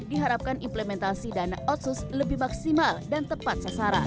diharapkan implementasi dana otsus lebih maksimal dan tepat sasaran